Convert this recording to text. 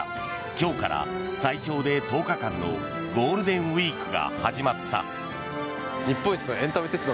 今日から最長で１０日間のゴールデンウィークが始まった。